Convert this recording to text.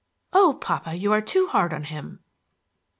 "Oh, papa! you are too hard on him."